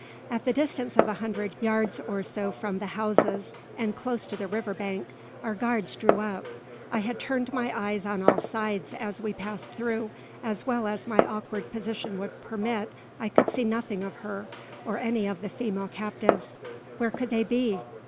At the distance of a hundred yards or so from the houses, and close to the river bank, our guards drew up. I had turned my eyes on all sides as we passed through, as well as my awkward position would permit I could see nothing of her, or any of the female captives. Where could they be?